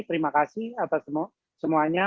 terima kasih atas semuanya